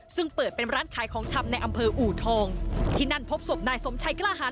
ซึ่งเปิดเป็นร้านขายของชำในอำเภออูทองที่นั่นพบศพนายสมชัยกล้าหาร